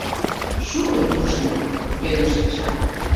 Шукын куржыныт, — кӧныш Эчан.